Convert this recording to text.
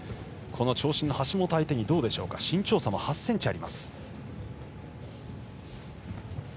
長身の橋本相手にどうでしょうか身長差も８ｃｍあります。